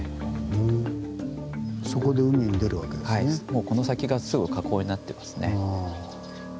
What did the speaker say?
もうこの先がすぐ河口になってますね。